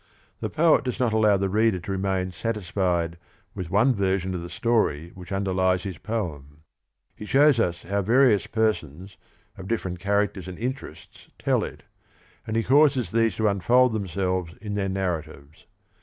The poet does not allow the reader to remain satisfied with one version of the story which underlies his poem. He shows us how various persons of different characters and interests tell it, and he causes these to unfold themselves in their nar ratives.